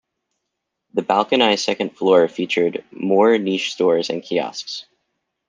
The balconied second floor featured more niche stores and kiosks.